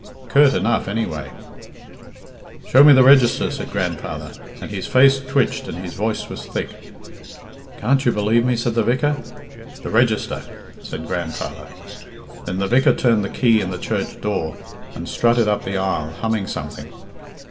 "Curt enough, any way." "'Show me the register,' said grandfather, and his face twitched and his voice was thick. 'Can't you believe me?' said the vicar. 'The register,' said grandfather. Then the vicar turned the key in the church door and strutted up the aisle, humming something.